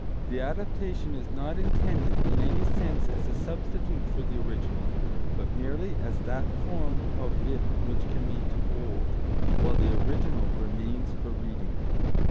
The adaptation is not intended in any sense as a substitute for the original, but merely as that form of it which can be told, while the original remains for reading.